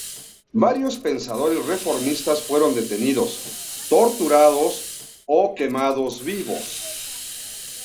Varios pensadores reformistas fueron detenidos, torturados o quemados vivos.